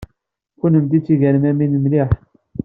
Kennemti d tigermamin mliḥ.